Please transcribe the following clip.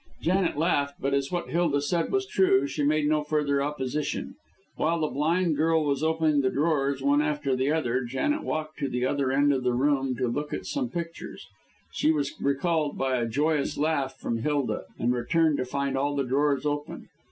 Janet laughed, but as what Hilda said was true, she made no further opposition. While the blind girl was opening the drawers one after the other, Janet walked to the other end of the room to look at some pictures. She was recalled by a joyous laugh from Hilda, and returned to find all the drawers open.